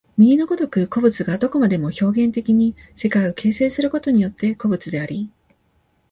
右の如く個物がどこまでも表現的に世界を形成することによって個物であり、